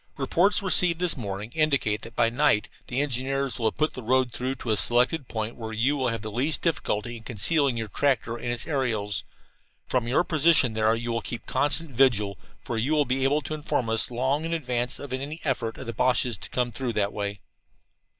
"Reports received this morning indicate that by night the engineers will have put the road through to a selected point where you will have the least difficulty in concealing your tractor and its aerials. From your position there you will keep constant vigil, for you will be able to inform us long in advance of any effort of the Boches to come through that way.